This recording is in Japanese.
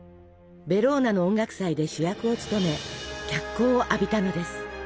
ベローナの音楽祭で主役を務め脚光を浴びたのです。